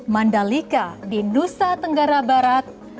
mandalika di nusa tenggara barat